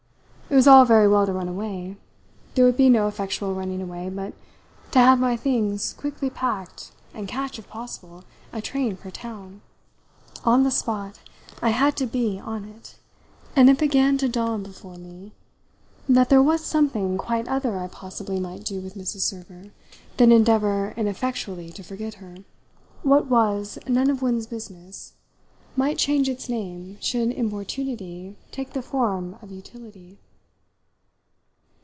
It was all very well to run away; there would be no effectual running away but to have my things quickly packed and catch, if possible, a train for town. On the spot I had to be on it; and it began to dawn before me that there was something quite other I possibly might do with Mrs. Server than endeavour ineffectually to forget her. What was none of one's business might change its name should importunity take the form of utility.